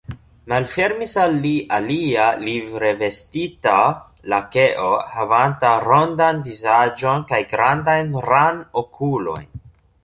Malfermis al li alia livrevestita lakeo, havanta rondan vizaĝon kaj grandajn ranokulojn.